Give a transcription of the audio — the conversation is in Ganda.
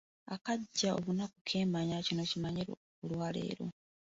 "Akajja obunaku keemanya, kino kimanye olwaleero."